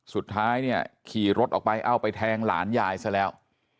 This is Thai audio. สุดท้ายเนี่ยขี่รถออกไปเอ้าไปแทงหลานยายซะแล้ว